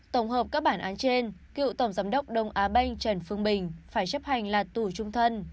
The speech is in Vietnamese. tổng hợp các bản án trên cựu tổng giám đốc đông á banh trần phương bình phải chấp hành là tù trung thân